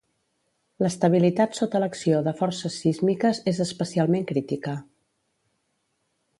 L'estabilitat sota l'acció de forces sísmiques és especialment crítica.